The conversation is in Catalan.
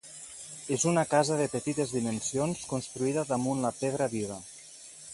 És una casa de petites dimensions construïda damunt la pedra viva.